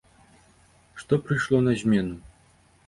А што прыйшло на змену?